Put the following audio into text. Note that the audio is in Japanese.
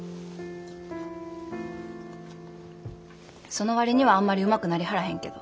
その割にはあんまりうまくなりはらへんけど。